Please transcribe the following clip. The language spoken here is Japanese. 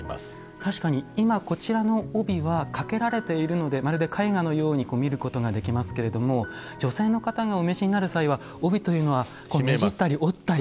確かに今こちらの帯は掛けられているのでまるで絵画のように見ることができますけれども女性の方がお召しになる際は帯というのはねじったり折ったり。